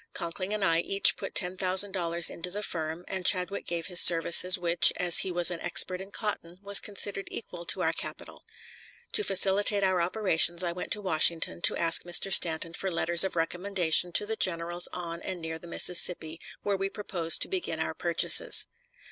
Conkling and I each put ten thousand dollars into the firm, and Chadwick gave his services, which, as he was an expert in cotton, was considered equal to our capital. To facilitate our operations, I went to Washington to ask Mr. Stanton for letters of recommendation to the generals on and near the Mississippi, where we proposed to begin our purchases.